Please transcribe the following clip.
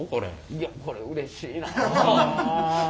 いやこれうれしいなあ。